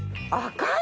赤い！